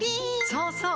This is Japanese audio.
そうそう！